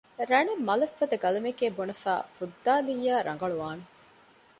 ރަނެއް މަލެއް ފަދަ ގަލަމެކޭ ބުނެފައި ފުއްދައިލިއްޔާ ރަނގަޅުވާނެ